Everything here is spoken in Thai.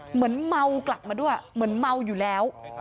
เหมือนเมากลับมาด้วยเหมือนเมาอยู่แล้ว